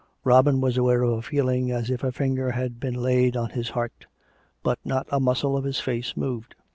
Robin was aware of a feeling as if a finger had been laid on his heart; but not a muscle of his face moved.